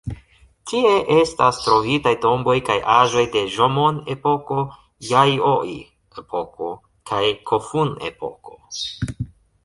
Tie estas trovitaj tomboj kaj aĵoj de Ĵomon-epoko, Jajoi-epoko kaj Kofun-epoko.